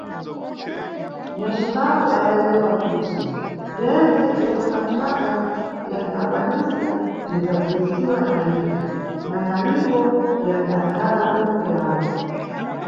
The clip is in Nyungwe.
Nyacipapu adalewa kuti bzwentse bzwomwe matswaka yanʼdzakwanisa bzwinʼdzagulisiwa na iwo, na malipo yanʼdzakhala pomwe yawo.